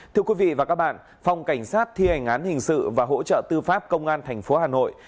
thưa quý vị và các bạn phòng cảnh sát thi hành án hình sự và hỗ trợ tư pháp công an tp hà nội